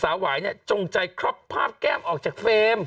หวายเนี่ยจงใจครอบภาพแก้มออกจากเฟรม